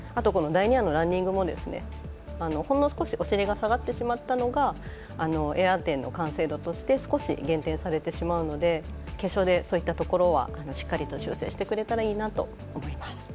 第２エアのランディングもほんの少しお尻が下がってしまったのがエア点の完成度として少し減点されてしまうので決勝で、そういったところはしっかり修正してくれたらいいなと思います。